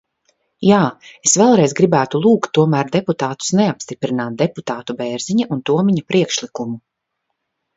Jā, es vēlreiz gribētu lūgt tomēr deputātus neapstiprināt deputātu Bērziņa un Tomiņa priekšlikumu.